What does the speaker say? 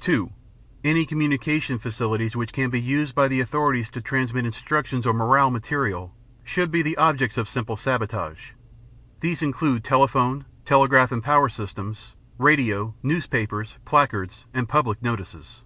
(2) Any communications facilities which can be used by the authorities to transmit instructions or morale material should be the objects of simple sabotage. These include telephone, telegraph and power systems, radio, newspapers, placards, and public notices.